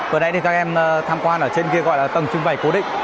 vừa nãy thì các em tham quan ở trên kia gọi là tầng trưng bày cố định